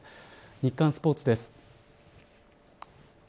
日刊スポーツです。